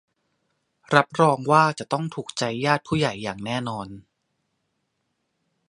รับรองว่าจะต้องถูกใจญาติผู้ใหญ่อย่างแน่นอน